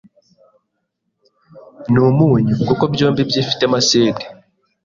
n’umunyu kuko byombi byifitemo aside